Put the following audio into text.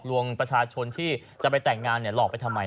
ลวงประชาชนที่จะไปแต่งงานหลอกไปทำไม